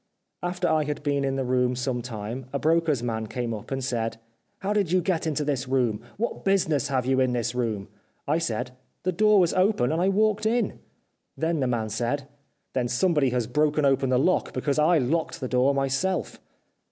After I had been in the room some time, a broker's man came up and said :' How did you get into this room ? What business have you in this room ?' I said :* The door was open and I walked in.' Then the man said :* Then somebody has broken open the lock, because I locked the door myself.'